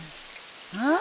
うん？